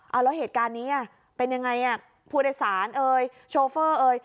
เอาแล้วเหตุการณ์นี้เป็นยังไงอ่ะผู้โดยสารเอ่ยโชเฟอร์เอ่ย